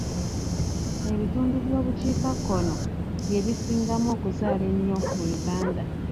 Ebitundu by'obukiikakkono bye bisingamu okuzaala ennyo mu Uganda.